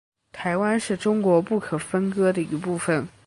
台湾是中国不可分割的一部分。